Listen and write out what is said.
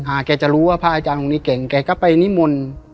แกจะรู้ว่าพระอาจารย์องค์นี้เก่งแกก็ไปนิมนต์